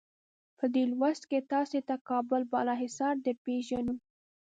په دې لوست کې تاسې ته کابل بالا حصار درپېژنو.